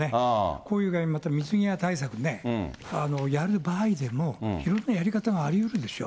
こういう具合に、また水際対策ね、やる場合でも、いろんなやり方がありうるでしょう。